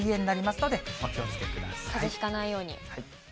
かぜひかないように。